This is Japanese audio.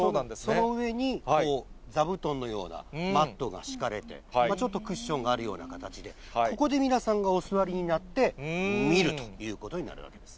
その上に座布団のようなマットが敷かれていて、ちょっとクッションがあるような形で、ここで皆さんがお座りになって、見るということになるわけです。